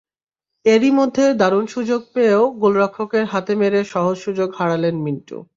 এরই মধ্যে দারুণ সুযোগ পেয়েও গোলরক্ষকের হাতে মেরে সহজ সুযোগ হারালেন মিন্টু।